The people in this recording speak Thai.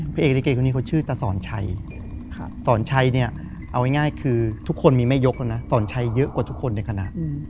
เอกลิเกคนนี้เขาชื่อตาสอนชัยสอนชัยเนี่ยเอาง่ายคือทุกคนมีแม่ยกแล้วนะสอนชัยเยอะกว่าทุกคนในคณะ